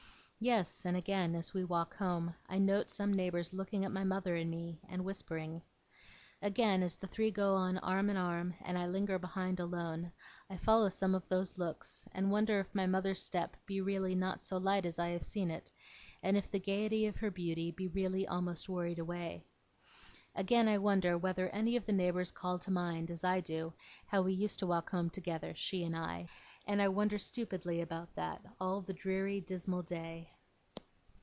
Yes, and again, as we walk home, I note some neighbours looking at my mother and at me, and whispering. Again, as the three go on arm in arm, and I linger behind alone, I follow some of those looks, and wonder if my mother's step be really not so light as I have seen it, and if the gaiety of her beauty be really almost worried away. Again, I wonder whether any of the neighbours call to mind, as I do, how we used to walk home together, she and I; and I wonder stupidly about that, all the dreary dismal day.